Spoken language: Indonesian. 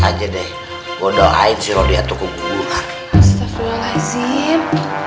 aja deh gua doain si rom dia tuh keguna astagfirullahaladzim